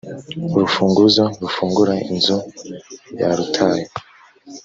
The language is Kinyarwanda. urufunguzo rufungura inzu yarutaye